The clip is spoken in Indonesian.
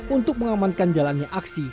untuk mengamankan jalannya aksi